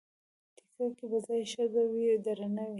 تیګه که په ځای ښخه وي، درنه وي؛